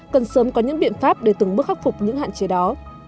cần sớm có những biện pháp để từng bước khắc phục những hạn chế đó